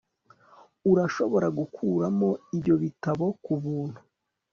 Urashobora gukuramo ibyo bitabo kubuntu